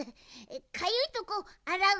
かゆいとこあらう。